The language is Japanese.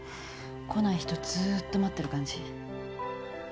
来ない人ずっと待ってる感じ。